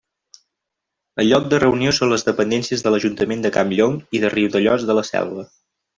El lloc de reunió són les dependències de l'Ajuntament de Campllong i de Riudellots de la Selva.